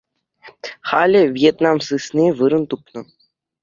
Халӗ Вьетнам сысни вырӑн тупнӑ.